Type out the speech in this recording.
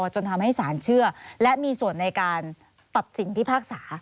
จนทำให้สารเชื่อและมีส่วนในการตัดสินพิพากษา